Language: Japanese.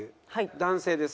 男性です。